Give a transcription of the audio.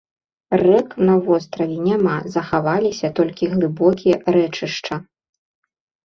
Рэк на востраве няма, захаваліся толькі глыбокія рэчышча.